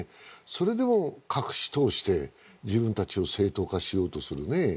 それでも隠しとおして自分たちを正当化しようとするね